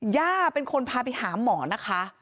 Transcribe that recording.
ย่าเป็นคนพาไปหาหมอนะคะ